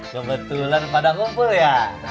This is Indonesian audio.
kebetulan pada kumpul ya